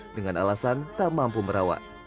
dengan alasan tak mampu merawat